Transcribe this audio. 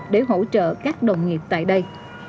để hỗ trợ các đồng nghiệp tại đây